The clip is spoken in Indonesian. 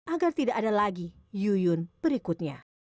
agar tidak ada lagi yuyun berikutnya